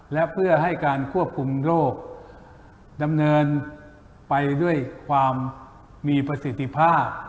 และเพื่อให้การควบคุมโรคดำเนินไปด้วยความมีประสิทธิภาพ